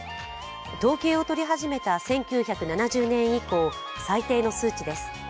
統計を取り始めた１９７０年以降最低の数値です。